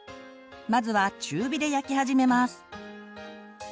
まずは中火で焼き始めます。